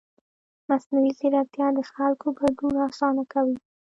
مصنوعي ځیرکتیا د خلکو ګډون اسانه کوي.